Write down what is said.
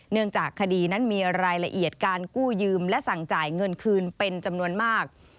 เนื่องจากคดีนั้นมีรายละเอียดการกู้ยืมและสั่งจ่ายเงินคืนเป็นจำนวนมาก